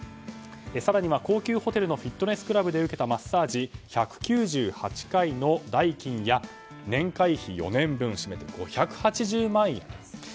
更に高級ホテルのフィットネスジムで受けたマッサージ１９８回の代金や年会費、４年分占めて５８０万円。